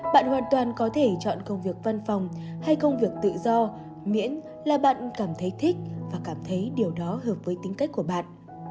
bạn hoàn toàn có thể chọn công việc văn phòng hay công việc tự do miễn là bạn cảm thấy thích và cảm thấy điều đó hợp với tính cách của bạn